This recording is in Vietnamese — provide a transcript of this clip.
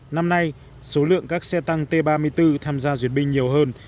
năm nay số lượng các xe tăng t ba mươi bốn tham gia duyệt binh nhiều hơn